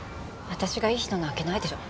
私がいい人なわけないでしょ。